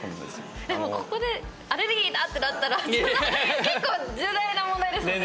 でもここで「アレルギーだ」ってなったら結構重大な問題ですもんね。